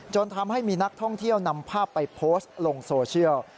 จนทำให้มีนักท่องเที่ยวนำภาพไปโพสต์ลงโซเชียล